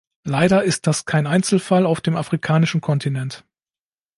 Leider ist das kein Einzelfall auf dem afrikanischen Kontinent.